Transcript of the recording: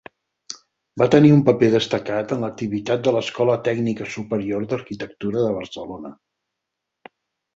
Va tenir un paper destacat en l’activitat de l’Escola Tècnica Superior d’Arquitectura de Barcelona.